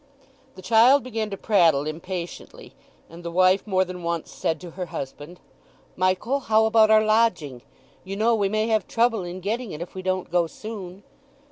The child began to prattle impatiently, and the wife more than once said to her husband, "Michael, how about our lodging? You know we may have trouble in getting it if we don't go soon."